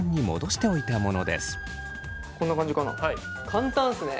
簡単ですね！